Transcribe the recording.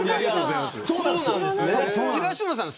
東野さん